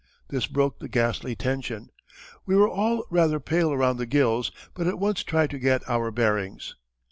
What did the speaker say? This broke the ghastly tension. We were all rather pale around the gills, but at once tried to get our bearings.